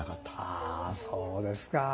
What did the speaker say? ああそうですか。